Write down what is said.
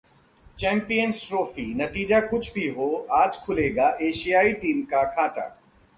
champions trophy: नतीजा कुछ भी हो, आज खुलेगा एशियाई टीम का खाता